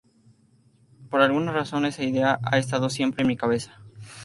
Por alguna razón esa idea ha estado siempre en mi cabeza.